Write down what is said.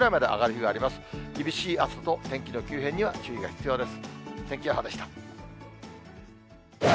厳しい暑さと天気の急変には注意が必要です。